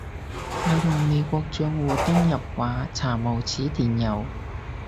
我用美國帳戶登入話查無此電郵